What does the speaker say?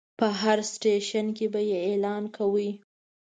په هر سټیشن کې به یې اعلان کاوه.